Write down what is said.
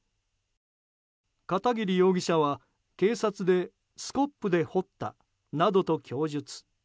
片桐容疑者は警察でスコップで掘ったなどと供述。